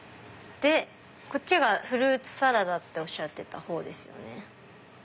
こっちがフルーツサラダっておっしゃってたほうですよね。